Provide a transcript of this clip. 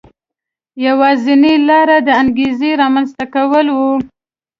یوازینۍ لار د انګېزې رامنځته کول و.